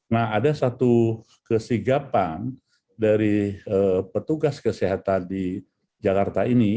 nah ada satu kesigapan dari petugas kesehatan di jakarta ini